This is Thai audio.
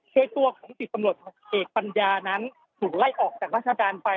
โดยตัวของ๑๐ตำรวจเอกปัญญานั้นถูกไล่ออกจากราชการไป